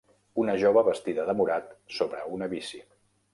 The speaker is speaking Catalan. Una jove vestida de morat sobre una bici